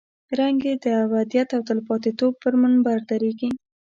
رنګ یې د ابدیت او تلپاتې توب پر منبر درېږي.